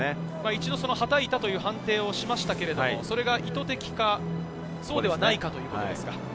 一度はたいたという判定をしましたけど、それが意図的か、そうではないかということですね。